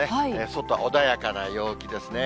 外は穏やかな陽気ですね。